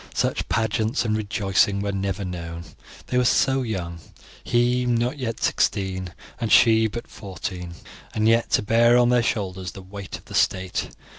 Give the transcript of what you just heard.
Such pageants and rejoicing were never known. They were so young, he not yet sixteen, and she but fourteen, and yet to bear on their shoulders the weight of the state.